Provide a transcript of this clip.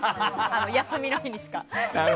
休みの日にしか。